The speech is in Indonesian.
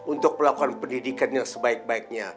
untuk melakukan pendidikan yang sebaik baiknya